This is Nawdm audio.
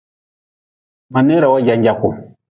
Ma neera wo janjaku.